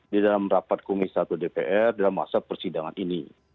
di dalam rapat komisi satu dpr dalam masa persidangan ini